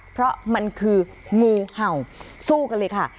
เพราะมันคืองูเห่าสู้กันเลยค่ะ